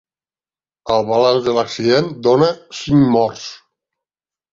El balanç de l'accident dona cinc morts.